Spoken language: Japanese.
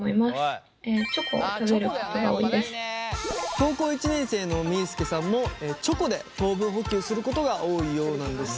高校１年生のみーすけさんもチョコで糖分補給することが多いようなんです。